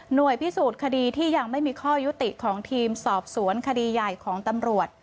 โดยพิสูจน์คดีที่ยังไม่มีข้อยุติของทีมสอบสวนคดีใหญ่ของตำรวจ